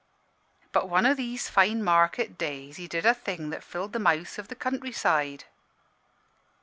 "But one o' these fine market days he did a thing that filled the mouths o' the country side.